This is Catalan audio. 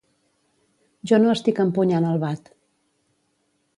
Jo no estic empunyant el bat.